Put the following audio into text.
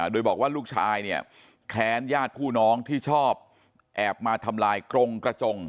โดยบอกว่าลูกชายเนี่ยแค้นญาติผู้น้องที่ชอบแอบมาทำลายกรงกระจง